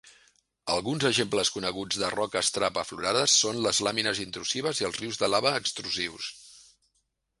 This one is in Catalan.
Alguns exemples coneguts de roques trap aflorades són les làmines intrusives i els rius de lava extrusius.